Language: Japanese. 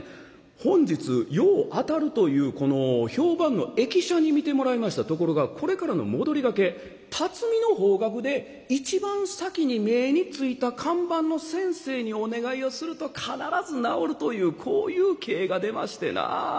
本日よう当たるというこの評判の易者に見てもらいましたところがこれからの戻りがけ辰巳の方角で一番先に目についた看板の先生にお願いをすると必ず治るというこういう卦が出ましてな。